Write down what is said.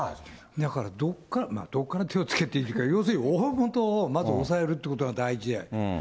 だから、どこから手をつけていいのか、要するに大本をまず押さえるということが大事だと。